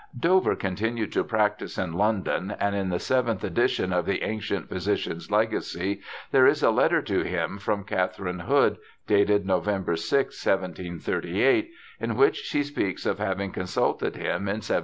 Dover continued to practise in London, and in the seventh edition of The Ancient Physician's Legacy there is a letter to him from Catherine Hood, dated November ^> 1738, in which she speaks of having consulted him in 1737.